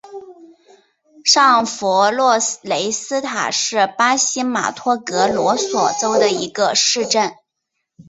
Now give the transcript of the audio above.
上弗洛雷斯塔是巴西马托格罗索州的一个市镇。